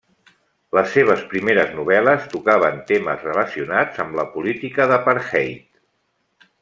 Les seves primeres novel·les tocaven temes relacionats amb la política d'apartheid.